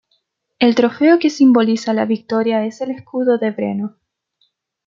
El trofeo que simboliza la victoria es el Escudo de Breno.